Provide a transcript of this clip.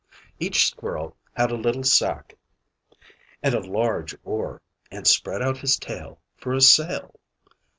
Each squirrel had a little sack and a large oar, and spread out his tail for a sail.